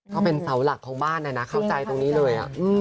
เขาเป็นเสาหลักของบ้านนะนะเข้าใจตรงนี้เลย